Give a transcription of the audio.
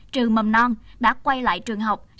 trường mầm non đã quay lại trường học